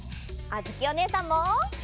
あづきおねえさんも！